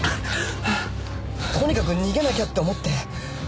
とにかく逃げなきゃって思って。